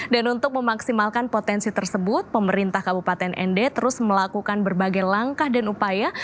dan untuk memaksimalkan potensi tersebut pemerintah kabupaten nd terus melakukan berbagai langkah dan upaya